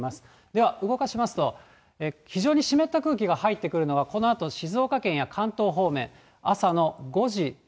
では動かしますと、非常に湿った空気が入ってくるのは、このあと静岡県や関東方面、朝の５時、６時。